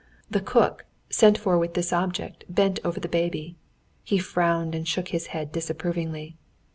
The cook, sent for with this object, bent over the baby. He frowned and shook his head disapprovingly.